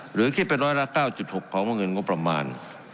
หรือคิดเป็นร้อยละ๙๖ของวงเงินงบประมาณ